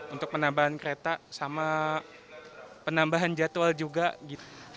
untuk penambahan kereta sama penambahan jadwal juga gitu